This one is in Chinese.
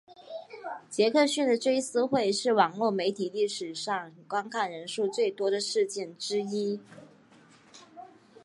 杰克逊的追思会是网路媒体历史上观看人数最多的事件之一。